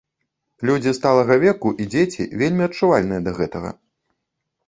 Людзі сталага веку і дзеці вельмі адчувальныя да гэтага.